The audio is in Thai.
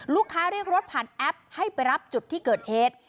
ลูกค้าเรียกรถผ่านแอปให้ไปรับจุดที่เกิดเอส